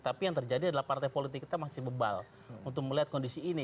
tapi yang terjadi adalah partai politik kita masih bebal untuk melihat kondisi ini